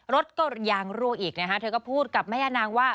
รถก็ยางรั่วอีกนะคะเธอก็พูดกับแม่ย่านางว่า